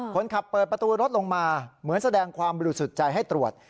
คนขับเปิดประตูรถลงมาเหมือนแสดงความรู้สุดใจให้ตรวจ